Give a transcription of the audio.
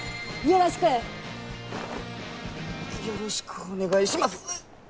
よろしくお願いしますウッ！